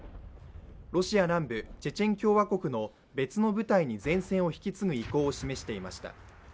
ロシア南部チェチェン共和国の別の部隊に前線を引き継ぐ意向を示していました。